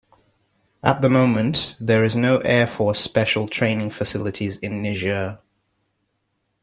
At the moment, there is no air force special training facilities in Niger.